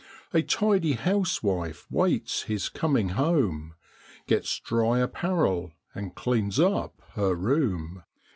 A tidy housewife waits his coming home, Gets dry apparel, and cleans up her room.